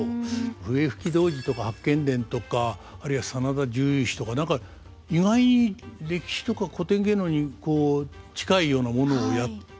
「笛吹童子」とか「八犬伝」とかあるいは「真田十勇士」とか何か意外に歴史とか古典芸能に近いようなものをやってた。